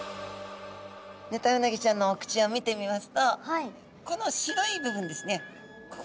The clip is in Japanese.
ヌタウナギちゃんのお口を見てみますとこの白い部分ですね。